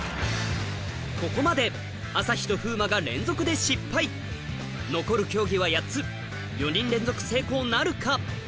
ここまで朝日と風磨が連続で失敗残る競技は８つ４人連続成功なるか？